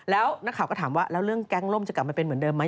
แล้วนักข่าวก็ถามว่าแล้วเรื่องแก๊งล่มจะกลับมาเป็นเหมือนเดิมไหม